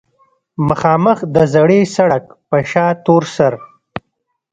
مخامخ د زړې سړک پۀ شا تورسر